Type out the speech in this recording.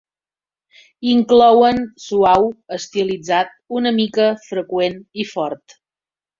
Inclouen: "suau", "estilitzat", "una mica", "freqüent" i "fort".